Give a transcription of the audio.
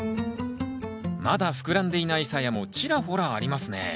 まだ膨らんでいないさやもちらほらありますね。